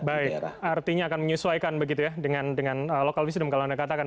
baik artinya akan menyesuaikan begitu ya dengan local wisdom kalau anda katakan